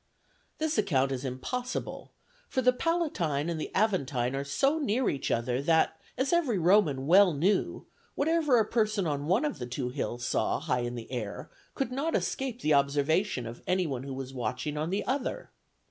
This account is impossible; for the Palatine and Aventine are so near each other that, as every Roman well knew, whatever a person on one of the two hills saw high in the air, could not escape the observation of any one who was watching on the other.